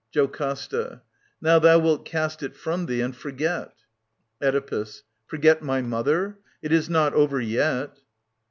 JoCASTA. Now thou wilt cast it from thee, and forget. Oedipus. Forget my mother ?... It is not over yet.